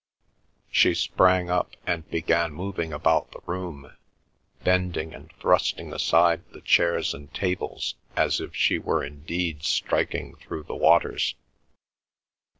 She sprang up, and began moving about the room, bending and thrusting aside the chairs and tables as if she were indeed striking through the waters.